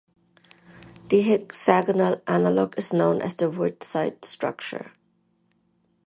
The hexagonal analog is known as the wurtzite structure.